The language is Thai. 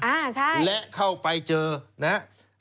อ่ะใช่แล้วเข้าไปเจอนะฮะ